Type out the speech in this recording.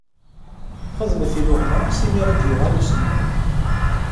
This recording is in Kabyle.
Xedmem iluɣma simira ad d-yuɣal uselmad.